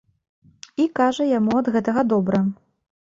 І, кажа, яму ад гэтага добра.